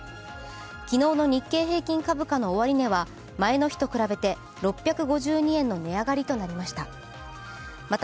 昨日の日経平均株価の終値は前の日と比べて６５２円の値上がりとなりました。